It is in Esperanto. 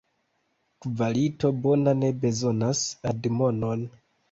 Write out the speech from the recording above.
Kvalito bona ne bezonas admonon.